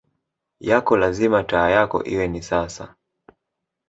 yako lazima taa yako iwe ni sasa